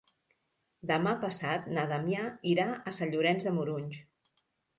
Demà passat na Damià irà a Sant Llorenç de Morunys.